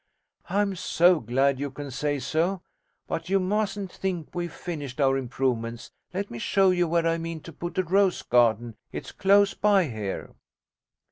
'I am so glad you can say so. But you mustn't think we've finished our improvements. Let me show you where I mean to put a rose garden. It's close by here.'